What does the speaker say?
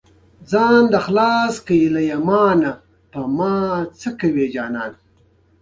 سمت پرستي مه کوئ